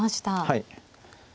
はい。